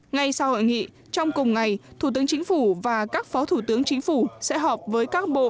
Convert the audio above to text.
ngay sau hội nghị trong cùng ngày thủ tướng chính phủ và các phó thủ tướng chính phủ sẽ họp với các bộ